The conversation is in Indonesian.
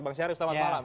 bang syari selamat malam